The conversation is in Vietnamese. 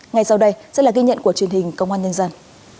ngay sau đây sẽ là ghi nhận của truyền hình công an nhân dân